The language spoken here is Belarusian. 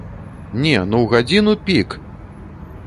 Не, ну ў гадзіну-пік!